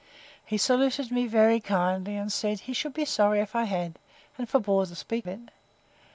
—He saluted me very kindly, and said, He should be sorry if I had, and forbore to speak it.